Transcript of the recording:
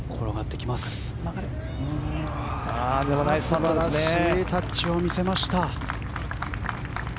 素晴らしいタッチを見せました。